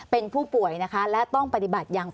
เป็นผู้ป่วยนะคะและต้องปฏิบัติอย่าง